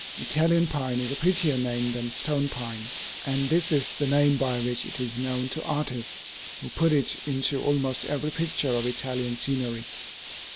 Italian pine is a prettier name than stone pine, and this is the name by which it is known to artists, who put it into almost every picture of Italian scenery.